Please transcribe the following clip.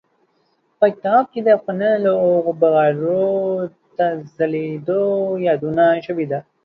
په کتاب کې د افغان لوبغاړو د ځلېدو یادونه شوي ده.